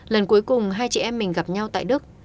lần cuối cùng hai chị em mình gặp nhau tại đức